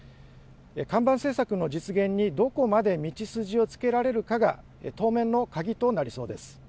看板政策の実現にどこまで道筋をつけられるかが、当面の鍵となりそうです。